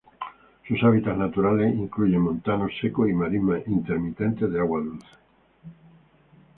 Sus hábitats naturales incluyen montanos secos y marismas intermitentes de agua dulce.